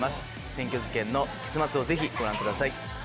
占拠事件の結末をぜひご覧ください。